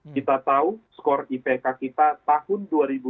kita tahu skor ipk kita tahun dua ribu dua puluh